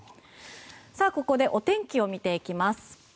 ここで、お天気を見ていきます。